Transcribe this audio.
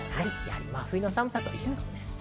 真冬の寒さと言えそうです。